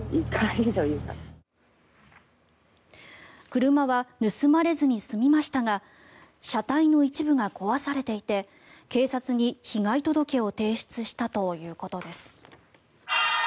車は盗まれずに済みましたが車体の一部が壊されていて警察に被害届を提出したということです。